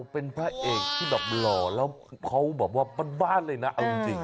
เป็นพระเอกที่แบบหล่อแล้วเขาแบบว่าบ้านเลยนะเอาจริง